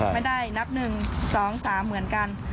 ไม่ได้นับ๑๒๓เหมือนกัน